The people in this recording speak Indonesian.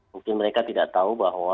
mungkin mereka tidak tahu bahwa